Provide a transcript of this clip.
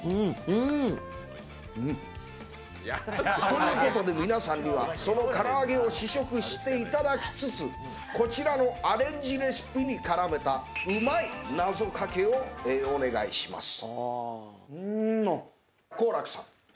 ということで皆さんにはその唐揚げを試食していただきつつこちらのアレンジレシピに絡めたうまい謎かけをお願いします。